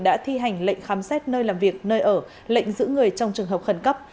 đã thi hành lệnh khám xét nơi làm việc nơi ở lệnh giữ người trong trường hợp khẩn cấp